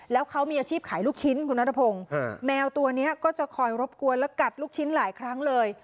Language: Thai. แล้วเขามีอาชีพขายลูกชิ้นคุณนัทพงศ์แมวตัวนี้ก็จะคอยรบกวนและกัดลูกชิ้นหลายครั้งเลย